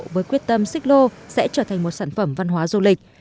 với quyết tâm xích lô sẽ trở thành một sản phẩm văn hóa du lịch